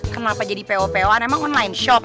kenapa jadi pewo pewan emang online shop